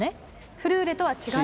フルーレとは違う。